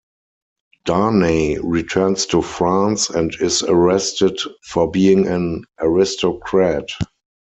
Darnay returns to France and is arrested for being an aristocrat.